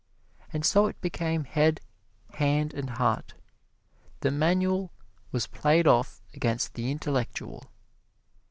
And so it became Head, Hand and Heart. The manual was played off against the intellectual.